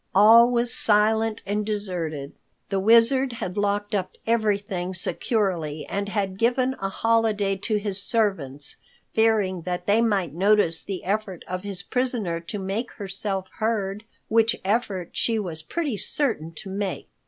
All was silent and deserted. The Wizard had locked up everything securely and had given a holiday to his servants, fearing that they might notice the effort of his prisoner to make herself heard, which effort she was pretty certain to make.